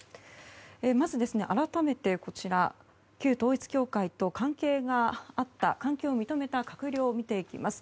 まず改めて、旧統一教会と関係を認めた閣僚を見ていきます。